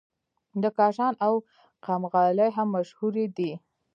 د کاشان او قم غالۍ هم مشهورې دي.